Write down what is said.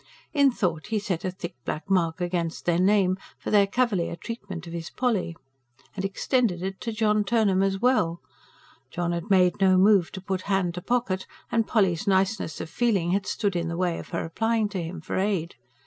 In thought he set a thick black mark against their name, for their cavalier treatment of his Polly. And extended it to John Turnham as well. John had made no move to put hand to pocket; and Polly's niceness of feeling had stood in the way of her applying to him for aid.